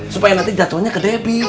supaya nanti jatuhnya ke debbie